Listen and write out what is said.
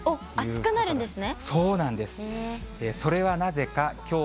暑くなるんですね。